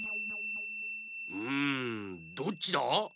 うんどっちだ？